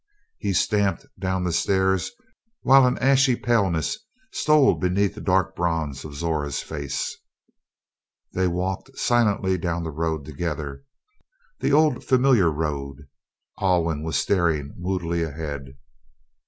He stamped down the stairs while an ashy paleness stole beneath the dark red bronze of Zora's face. They walked silently down the road together the old familiar road. Alwyn was staring moodily ahead.